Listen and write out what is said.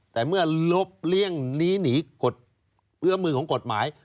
แต่เมื่อลบเลี่ยงนี้หนีกฎเวื้อมือของกฎหมาย